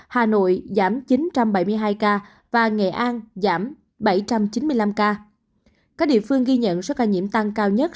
hà nội giảm chín trăm bảy mươi hai ca và nghệ an giảm bảy trăm chín mươi năm ca các địa phương ghi nhận số ca nhiễm tăng cao nhất